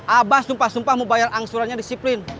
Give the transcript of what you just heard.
abah sumpah sumpah mau bayar angsurannya disiplin